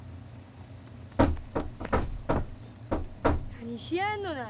何しやんのな。